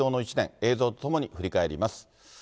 映像とともに振り返ります。